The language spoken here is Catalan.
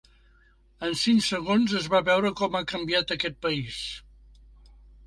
En cinc segons es va veure com ha canviat aquest país.